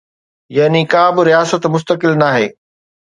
يعني ڪا به رياست مستقل ناهي.